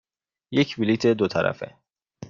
یک بلیط دو طرفه.